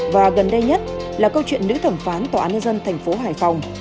và gần đây nhất là câu chuyện nữ thẩm phán tòa án nhân dân thành phố hải phòng